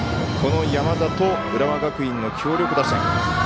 この山田と浦和学院の強力打線。